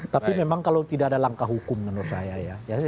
tapi memang kalau tidak ada langkah hukum menurut saya ya